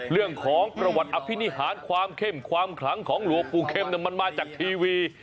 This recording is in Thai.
เรื่องของประวัติอภินิหารความเข้มความขลังของหลวงปู่เข้มมันมาจากทีวี